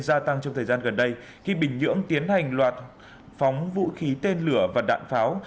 gia tăng trong thời gian gần đây khi bình nhưỡng tiến hành loạt phóng vũ khí tên lửa và đạn pháo